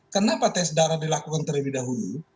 kenapa tes darah dilakukan terlebih dahulu